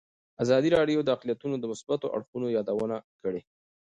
ازادي راډیو د اقلیتونه د مثبتو اړخونو یادونه کړې.